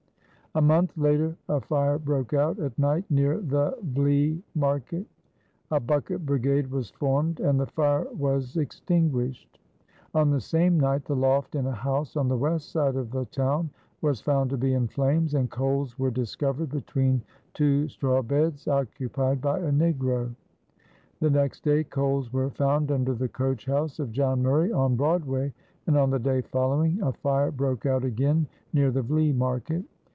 A month later a fire broke out at night near the Vlei Market. A bucket brigade was formed and the fire was extinguished. On the same night the loft in a house on the west side of the town was found to be in flames, and coals were discovered between two straw beds occupied by a negro. The next day coals were found under the coach house of John Murray on Broadway, and on the day following a fire broke out again near the Vlei Market.